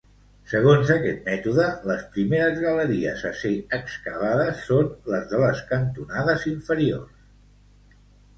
Segons aquest mètode, les primeres galeries a ser excavades són les de les cantonades inferiors.